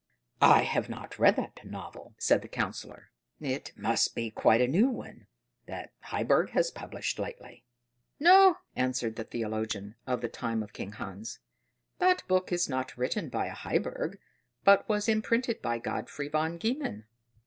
"I have not read that novel," said the Councillor; "it must be quite a new one, that Heiberg has published lately." "No," answered the theologian of the time of King Hans: "that book is not written by a Heiberg, but was imprinted by Godfrey von Gehmen."